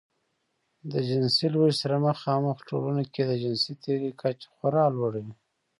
د جنسي لوږې سره مخامخ ټولنو کې د جنسي تېري کچه خورا لوړه وي.